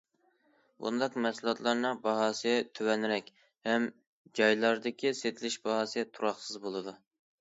بۇنداق مەھسۇلاتلارنىڭ باھاسى تۆۋەنرەك ھەم جايلاردىكى سېتىلىش باھاسى تۇراقسىز بولىدۇ.